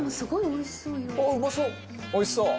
おいしそう！